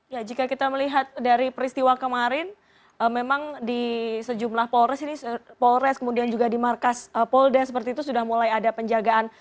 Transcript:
ya jika kita melihat dari peristiwa kemarin memang di sejumlah polres kemudian juga di markas polda seperti itu sudah mulai ada penjagaan